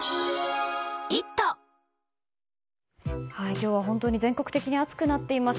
今日は本当に全国的に暑くなっています。